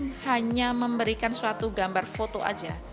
artinya kan hanya memberikan suatu gambar foto aja